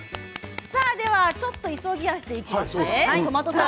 ちょっと急ぎ足でいきましょうね。